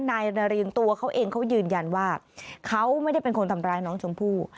นายนารินตัวเขาเองเขายืนยันว่าเขาไม่ได้เป็นคนทำร้ายน้องชมพู่